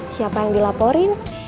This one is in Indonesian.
siapa yang dilaporin